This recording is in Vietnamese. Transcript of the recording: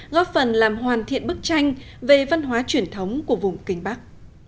góp phần làm hoàn thiện bức tranh về văn hóa truyền thống của vùng kinh bắc